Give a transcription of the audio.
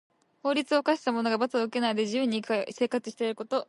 法律を犯した者が罰を受けないで自由に生活していること。